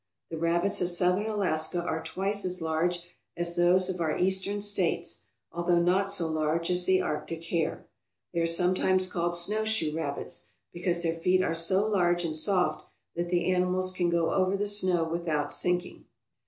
The rabbits of Southern Alaska are twice as large as those of our Eastern States, although not so large as the Arctic hare. They are sometimes called snowshoe rabbits, because their feet are so large and soft that the animals can go over the snow without sinking.